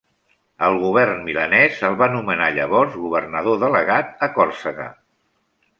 El govern milanès el va nomenar llavors governador delegat a Còrsega.